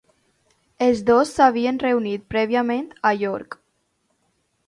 Els dos s'havien reunit prèviament a York.